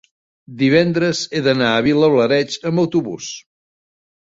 divendres he d'anar a Vilablareix amb autobús.